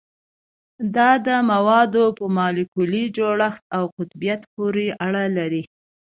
دا د موادو په مالیکولي جوړښت او قطبیت پورې اړه لري